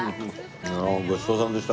ああごちそうさまでした。